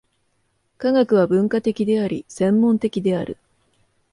科学は分科的であり、専門的である。